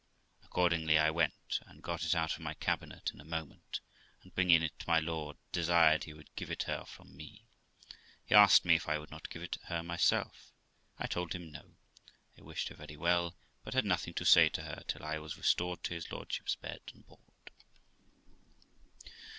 Accordingly I went and got it out of my cabinet in a moment, and bringing it to my lord, desired he would give it her from me. He asked me if I would not give it her myself. I told him no; I wished her very well, but had nothing to say to her till I was restored to his lordship's bed and board.